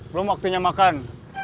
belum waktunya makan